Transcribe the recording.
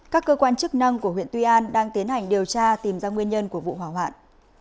các cơ quan chức năng của huyện tuy an đang tiến hành điều tra tìm ra nguyên nhân của vụ hỏa hoạn